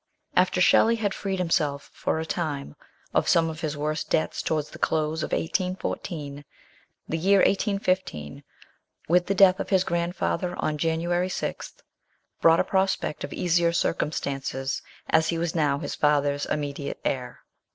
AFTER Shelley had freed himself, for a time, of some of his worst debts towards the close of 1814, the year 1815, with the death of his grandfather on January 6, brought a prospect of easier circumstances, as he was now his father's immediate heir.